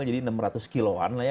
jadi enam ratus kiloan lah ya